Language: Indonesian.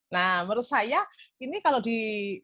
nah menurut saya ini kalau di negara indonesia